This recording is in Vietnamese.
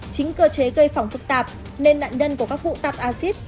chính cơ chế gây phỏng phức tạp nên nạn nhân của các phụ tạp axit